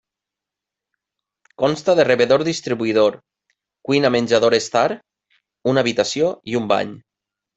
Consta de rebedor-distribuïdor, cuina-menjador-estar, una habitació i un bany.